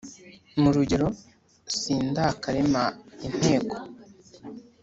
mu rugerero sindakarema inteko